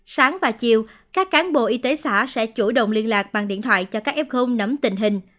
sáng và chiều các cán bộ y tế xã sẽ chủ động liên lạc bằng điện thoại cho các f nắm tình hình